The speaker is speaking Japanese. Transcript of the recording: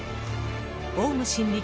オウム真理